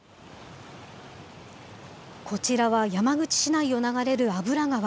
こちらは山口市内を流れる油川。